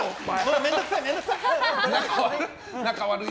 面倒くさい。